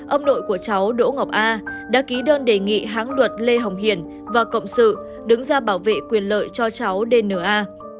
ông đội của cháu đỗ ngọc a đã ký đơn đề nghị hãng luật lê hồng hiển và cộng sự đứng ra bảo vệ quyền lợi cho cháu dna